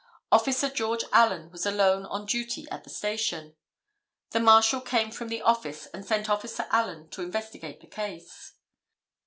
Officer George Allen was alone on duty at the station. The Marshal came from the office and sent Officer Allen to investigate the case.